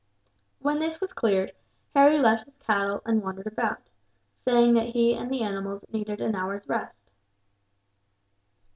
When this was cleared, Harry left his cattle and wandered about, saying that he and the animals needed an hour's rest.